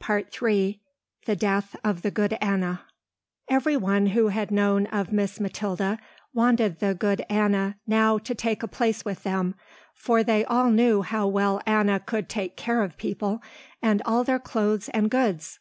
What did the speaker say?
Part III THE DEATH OF THE GOOD ANNA Every one who had known of Miss Mathilda wanted the good Anna now to take a place with them, for they all knew how well Anna could take care of people and all their clothes and goods.